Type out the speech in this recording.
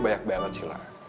banyak banget silah